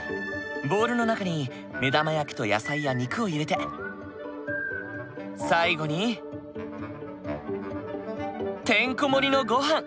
ボウルの中に目玉焼きと野菜や肉を入れて最後にてんこ盛りのごはん！